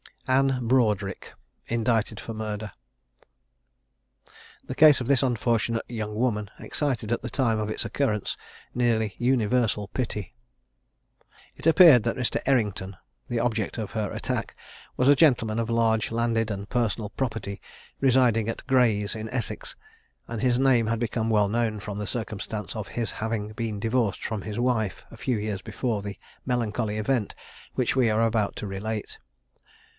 ANNE BROADRIC. INDICTED FOR MURDER. The case of this unfortunate young woman excited at the time of its occurrence nearly universal pity. It appeared that Mr. Errington, the object of her attack, was a gentleman of large landed and personal property residing at Grays, in Essex, and his name had become well known from the circumstance of his having been divorced from his wife, a few years before the melancholy event which we are about to relate.